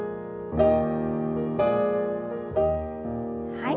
はい。